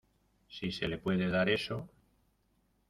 si se le puede dar eso...